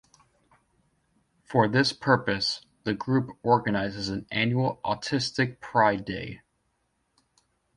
For this purpose, the group organizes an annual Autistic Pride Day.